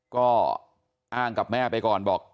ก็อ้างกับแม่ไปก่อนบอก